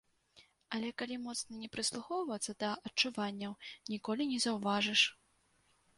Але калі моцна не прыслухоўвацца да адчуванняў, ніколі не заўважыш.